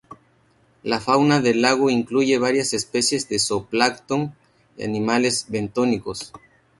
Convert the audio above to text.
La fauna del lago incluye varias especies de zooplancton y animales bentónicos.